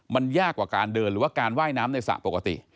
มันยากกว่าการเดินหรือว่าการว่ายน้ำในสระปกติ